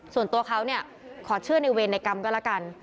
ส่วนตัวเขาเนี่ยขอเชื่อในเวรในกรรมก็แล้วกัน